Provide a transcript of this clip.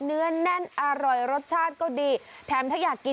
เนื้อแน่นอร่อยรสชาติก็ดี